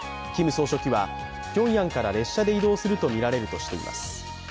総書記はピョンヤンから列車で移動するとみられるとしています。